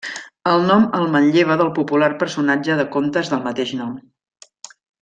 El nom el manlleva del popular personatge de contes del mateix nom.